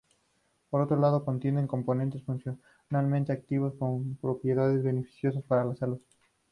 Por otro lado, contienen componentes funcionalmente activos con propiedades beneficiosas para la salud.